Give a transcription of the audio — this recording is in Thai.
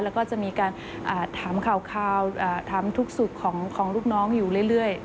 แล้วก็จะมีการถามข่าวถามทุกสุขของลูกน้องอยู่เรื่อย